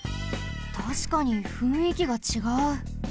たしかにふんいきがちがう。